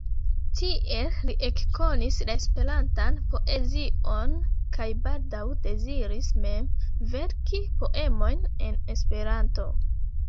Tiel li ekkonis la Esperantan poezion, kaj baldaŭ deziris mem verki poemojn en Esperanto.